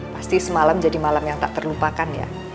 pasti semalam jadi malam yang tak terlupakan ya